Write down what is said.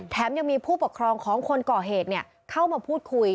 ยังมีผู้ปกครองของคนก่อเหตุเข้ามาพูดคุย